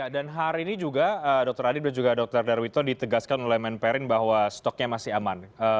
dan hari ini juga dr adib dan dr darwito ditegaskan oleh menperin bahwa stoknya masih aman